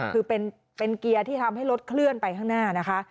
คือเป็นเกียร์ที่ทำให้รถเคลื่อนไปข้างหน้านะคะ